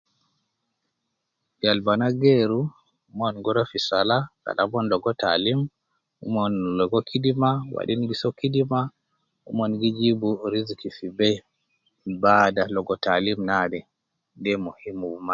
Yal bana geeru, mon gurua fi salah, kala mon logo taalim, mon logo kidima, wadin guso kidima, omon gijibu riziki fi bee, baada logo taalim naade, de muhimu